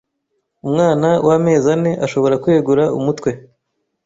Umwana w’amezi ane ashobora kwegura umutwe